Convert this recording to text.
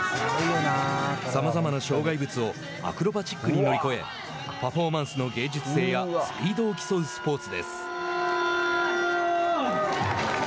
さまざまな障害物をアクロバチックに乗り越えパフォーマンスの芸術性やスピードを競うスポーツです。